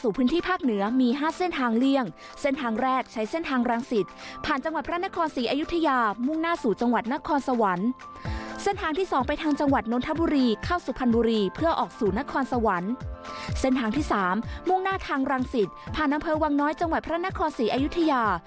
๓มุ่งหน้าทางรังสิตผ่านอำเภอวังน้อยปรานครสิอยุธยา